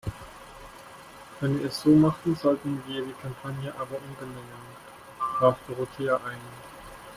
Wenn wir es so machen, sollten wir die Kampagne aber umbenennen, warf Dorothea ein.